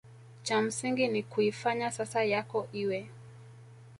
cha msingi ni kuifanya sasa yako iwe